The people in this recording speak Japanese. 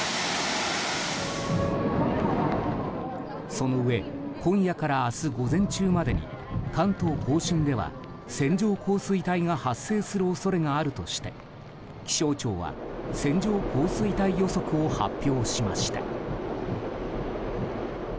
そのうえ今夜から明日午前中までに関東・甲信では、線状降水帯が発生する恐れがあるとして気象庁は線状降水帯予測を発表しました。